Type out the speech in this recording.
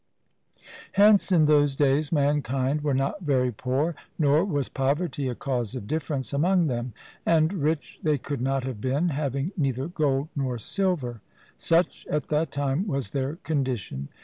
Hence in those days mankind were not very poor; nor was poverty a cause of difference among them; and rich they could not have been, having neither gold nor silver: such at that time was their condition.